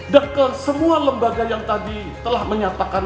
dan ke semua lembaga yang tadi telah menyatakan